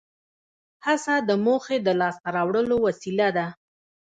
هڅه د موخې د لاس ته راوړلو وسیله ده.